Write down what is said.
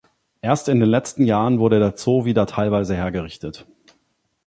Erst in den letzten Jahren wurde der Zoo wieder teilweise hergerichtet.